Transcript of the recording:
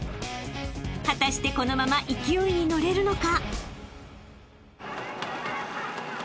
［果たしてこのまま勢いに乗れるのか？］